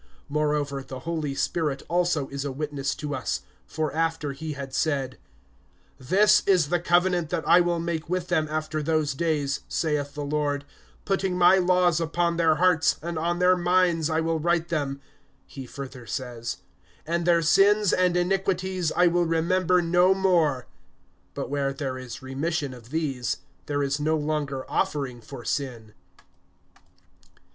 (15)Moreover, the Holy Spirit also is a witness to us; for after he had said, (16)This is the covenant that I will make with them after those days, saith the Lord, putting my laws upon their hearts, and on their minds I will write them, [he further says,] (17)and their sins and iniquities I will remember no more. (18)But where there is remission of these, there is no longer offering for sin.